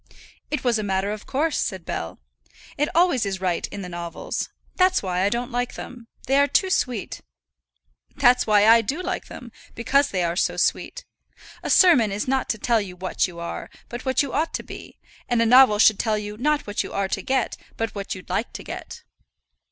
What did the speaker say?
"It was a matter of course," said Bell. "It always is right in the novels. That's why I don't like them. They are too sweet." "That's why I do like them, because they are so sweet. A sermon is not to tell you what you are, but what you ought to be, and a novel should tell you not what you are to get, but what you'd like to get."